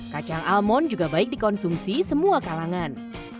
kacang almon juga baik dikonsumsi semua kalangan